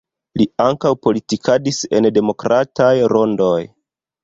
Li ankaŭ politikadis en demokrataj rondoj.